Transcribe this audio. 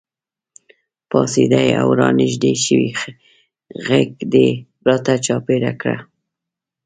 پاڅېدې او رانږدې شوې غېږ دې راته چاپېره کړه.